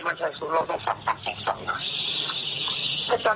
ภายจานก็ลงท่องถ่ายท่อง